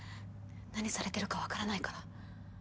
何されてるかわからないから。